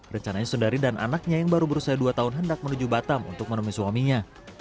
rencananya sudari dan anaknya yang baru berusia dua tahun hendak menuju batam untuk menemui suaminya